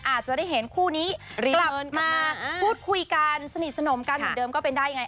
อาจจะได้เห็นคู่นี้กลับมาพูดคุยกันสนิทสนมกันเหมือนเดิมก็เป็นได้ยังไง